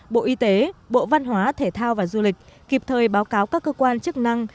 bộ y tế bộ văn hóa thể thao và du lịch kịp thời báo cáo các cơ quan chức năng